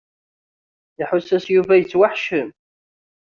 Iḥuss-as Yuba yettwaḥeccem.